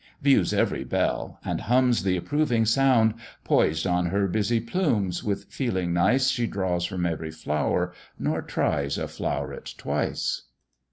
Views ev'ry bell, and hums th' approving sound; Poised on her busy plumes, with feeling nice She draws from every flower, nor tries a floret twice.